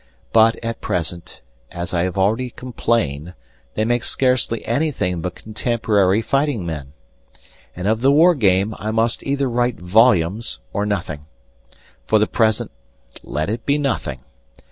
But at present, as I have already complained, they make scarcely anything but contemporary fighting men. And of the war game I must either write volumes or nothing. For the present let it be nothing.